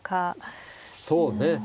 そうね。